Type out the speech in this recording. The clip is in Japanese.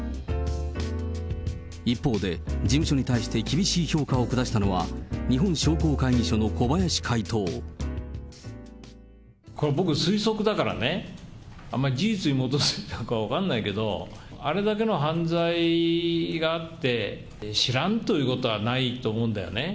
一方で、事務所に対して厳しい評価を下したのは、これ、僕、推測だからね、あまり事実に基づいているか分かんないけど、あれだけの犯罪があって、知らんということはないと思うんだよね。